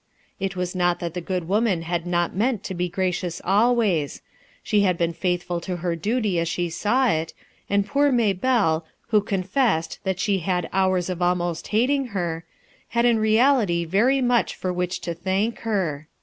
It was not that the good woman had not meant to be gracious always; die had been faithful to her duty as she saw it, and poor May belle, who confessed that she had hours of almost hating her, had in reality very much for which to thank her.